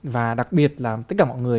và đặc biệt là tất cả mọi người